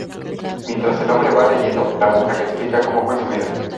Mientras el hombre va leyendo, la mujer le explica cómo fue su vida.